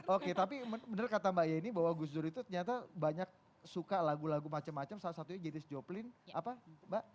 oke tapi benar kata mbak yeni bahwa gus dur itu ternyata banyak suka lagu lagu macam macam salah satunya jenis joplin apa mbak